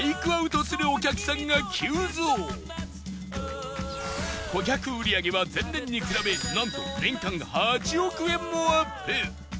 昨今顧客売り上げは前年に比べなんと年間８億円もアップ！